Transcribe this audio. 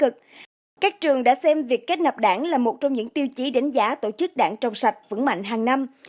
các trường đã xem việc kết nạp đảng là một trong những tiêu chí đánh giá tổ chức đảng trong sạch vững mạnh hàng năm